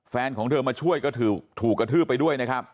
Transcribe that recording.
แฟนของเธอมาช่วยก็ถูกกระทืบไปด้วย